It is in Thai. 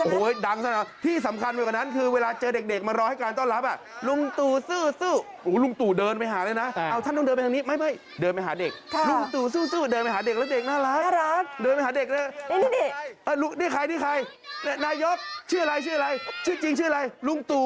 หาเด็กแล้วเด็กน่ารักดูไม่หาเด็กเลยนี่ใครนี่ใครนายกชื่ออะไรชื่อจริงชื่ออะไรลุงตู